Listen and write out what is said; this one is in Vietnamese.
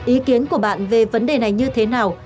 ý kiến của bạn về vấn đề này như thế nào